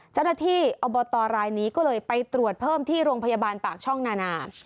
เจ้าหน้าที่อบตรายนี้ก็เลยไปตรวจเพิ่มที่โรงพยาบาลปากช่องนานา